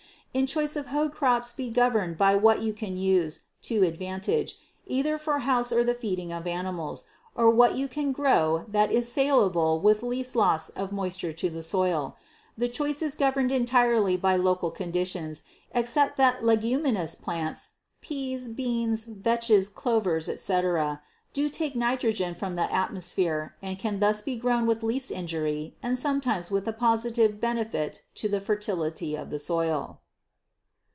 In choice of hoed crops be governed by what you can use to advantage, either for house or the feeding of animals, or what you can grow that is salable with least loss of moisture in the soil. The choice is governed entirely by local conditions, except that leguminous plants peas, beans, vetches, clovers, etc. do take nitrogen from the atmosphere and can thus be grown with least injury and sometimes with a positive benefit to the fertility of the soil.